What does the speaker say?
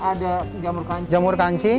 ada jamur kancing